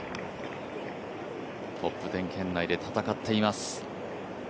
トップ１０圏内で戦っています。